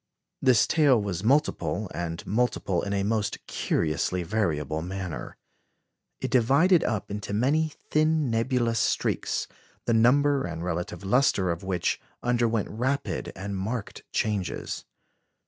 This tail was multiple, and multiple in a most curiously variable manner. It divided up into many thin nebulous streaks, the number and relative lustre of which underwent rapid and marked changes.